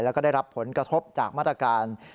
แล้วก็ได้รับผลกระทบจากมาตรการ